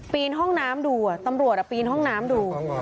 ปีนห้องน้ำดูตำรวจปีนห้องน้ำดู